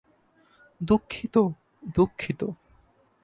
দুঃখিত, দুঃখিত।